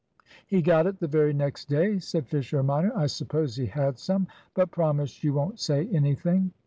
"He got it the very next day," said Fisher minor. "I suppose he had some; but promise you won't say anything."